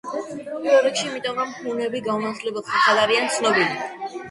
პირველ რიგში, იმიტომ, რომ ჰუნები გაუნათლებელ ხალხად არიან ცნობილი.